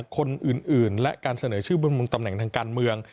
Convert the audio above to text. คนอื่นและการเสนอชื่อบนมุมตำแหน่งทางการเมือง